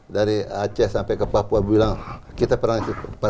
dari aceh sampai ke papua bilang kita perang isis